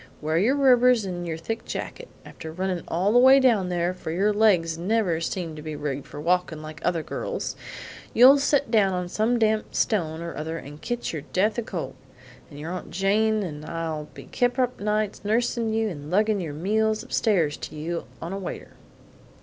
Wear your rubbers and your thick jacket. After runnin' all the way down there for your legs never seem to be rigged for walkin' like other girls' you'll set down on some damp stone or other and ketch your death o' cold, an' your Aunt Jane n' I'll be kep' up nights nursin' you and luggin' your meals upstairs to you on a waiter."